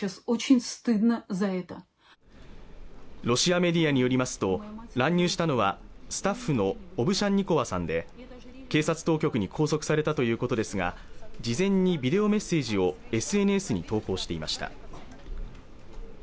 ロシアメディアによりますと乱入したのはスタッフのオブシャンニコワさんで警察当局に拘束されたということですが事前にビデオメッセージをＳＮＳに投稿していました